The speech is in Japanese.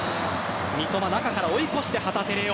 三笘、中から追い越して旗手怜央。